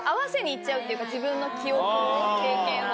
自分の記憶経験を。